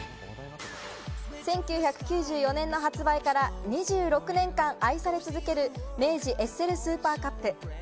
１９９４年の発売から２６年間愛され続ける、明治エッセルスーパーカップ。